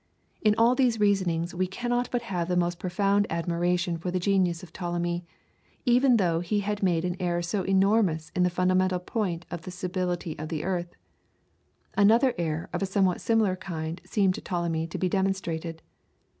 In all these reasonings we cannot but have the most profound admiration for the genius of Ptolemy, even though he had made an error so enormous in the fundamental point of the stability of the earth. Another error of a somewhat similar kind seemed to Ptolemy to be demonstrated.